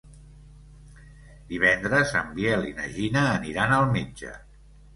Divendres en Biel i na Gina aniran al metge.